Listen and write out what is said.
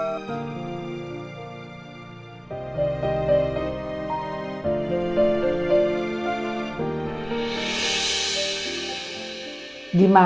aku sudah pulang